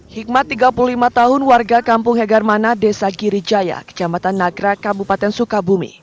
hikmat tiga puluh lima tahun warga kampung hegarmana desa girijaya kejambatan nagra kabupaten sukabumi